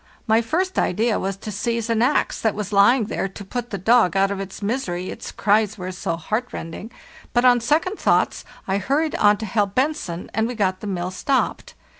My first idea was to seize an axe that was lying there to put the dog out of its misery, its cries were so heartrending; but on second thoughts I hurried on to help Bentzen, and we got the mill stopped.